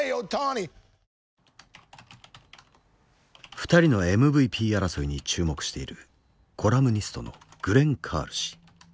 ２人のＭＶＰ争いに注目しているコラムニストのグレン・カール氏。